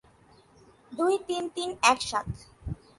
দুই, তিন, তিন, এক, সাত।